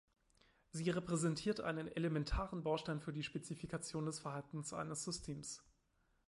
Sie repräsentiert einen elementaren Baustein für die Spezifikation des Verhaltens eines Systems.